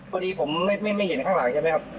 พอดีผมไม่เห็นข้างหลังใช่ไหมครับ